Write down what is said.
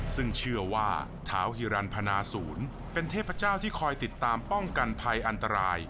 ซึ่งเชื่อว่าเท้าฮิรันพนาศูนย์เป็นเทพเจ้าที่คอยติดตามป้องกันภัยอันตราย